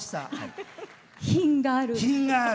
品がある。